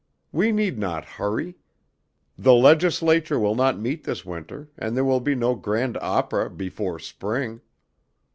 We need not hurry; the legislature will not meet this winter, and there will be no grand opera before spring.